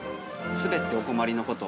◆滑ってお困りのこと。